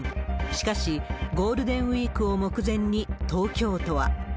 しかし、ゴールデンウィークを目前に東京都は。